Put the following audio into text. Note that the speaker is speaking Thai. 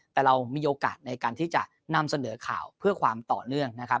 แต่เรามีโอกาสในการที่จะนำเสนอข่าวเพื่อความต่อเนื่องนะครับ